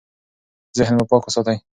ذهن مو پاک وساتئ.